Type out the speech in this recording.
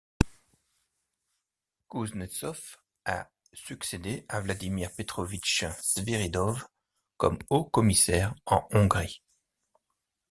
Kouznetsov a succédé à Vladimir Petrovitch Sviridov comme haut-commissaire en Hongrie.